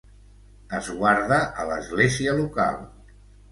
Es guarda a l'església local.